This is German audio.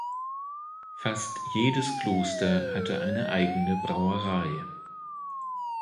Fast jedes Kloster hatte eine eigene Brauerei.